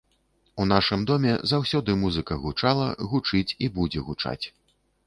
У нашым доме заўсёды музыка гучала, гучыць і будзе гучаць.